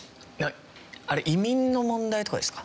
移民の問題とかですか？